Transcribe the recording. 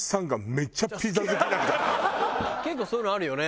結構そういうのあるよね。